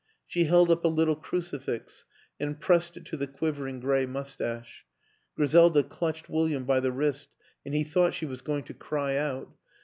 She held up a little crucifix and pressed it to the quivering gray mustache. ... Griselda clutched William by the wrist and he thought she was going to cry out.